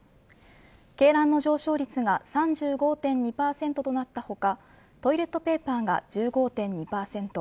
鶏卵の上昇率が３５．２％となった他トイレットペーパーが１５．２％